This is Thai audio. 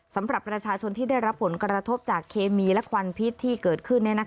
สำหรับประชาชนที่ได้รับผลกระทบจากเคมีและควันพิษที่เกิดขึ้น